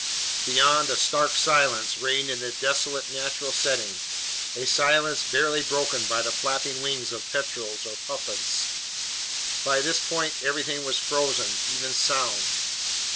Beyond, a stark silence reigned in this desolate natural setting, a silence barely broken by the flapping wings of petrels or puffins. By this point everything was frozen, even sound.